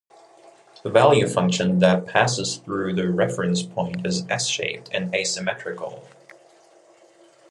The value function that passes through the reference point is s-shaped and asymmetrical.